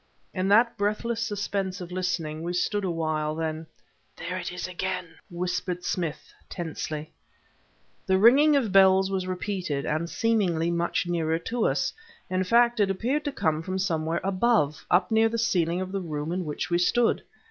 In that breathless suspense of listening we stood awhile; then: "There it is again!" whispered Smith, tensely. The ringing of bells was repeated, and seemingly much nearer to us; in fact it appeared to come from somewhere above, up near the ceiling of the room in which we stood.